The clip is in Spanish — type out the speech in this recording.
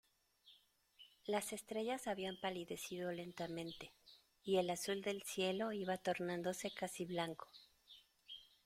las estrellas habían palidecido lentamente, y el azul del cielo iba tornándose casi blanco.